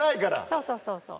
そうそうそうそう。